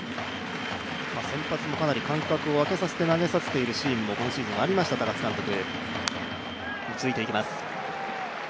先発も、かなり間隔を空けさせて投げさせているシーンも今シーズンありました、高津監督。